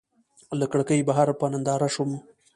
له کړکۍ بهر په ننداره شوم.